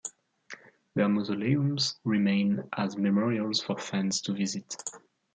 Their mausoleums remain as memorials for fans to visit.